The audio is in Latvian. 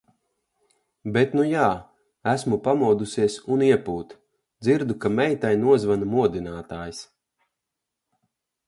Bet nu jā, esmu pamodusies un iepūt! Dzirdu, ka meitai nozvana modinātājs.